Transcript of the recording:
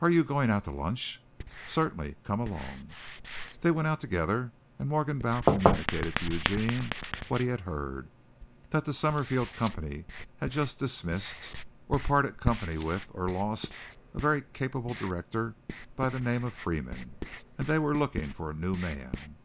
"Are you going out to lunch?" "Certainly, come along." They went out together and Morgenbau communicated to Eugene what he had heard that the Summerfield Company had just dismissed, or parted company with, or lost, a very capable director by the name of Freeman, and that they were looking for a new man.